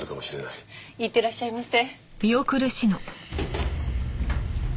いってらっしゃいませ。